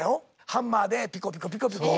ハンマーでピコピコピコピコ。